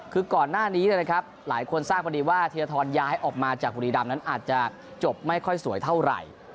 คือก่อนหน้านี้นะครับหลายคนทราบพอดีว่าธีรทรย้ายออกมาจากบุรีดำนั้นอาจจะจบไม่ค่อยสวยเท่าไหร่